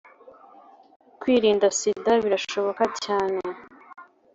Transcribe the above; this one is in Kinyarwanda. kwirinda sida birashoboka cyane